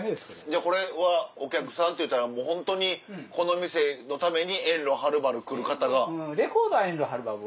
じゃあこれはお客さんっていうたらもうホントにこの店のために遠路はるばる来る方が。